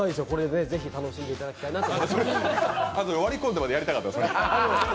ぜひこれ楽しんでいただきたいなと。